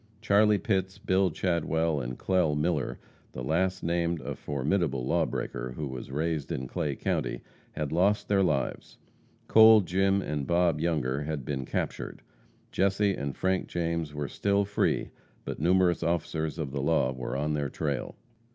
Charlie Pitts, Bill Chadwell and Clell Miller the last named a formidable lawbreaker, who was raised in Clay county had lost their lives. Cole, Jim and Bob Younger had been captured. Jesse and Frank James were still free, but numerous officers of the law were on their trail.